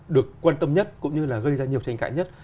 được quan tâm nhất cũng như là gây ra nhiều tranh cãi nhất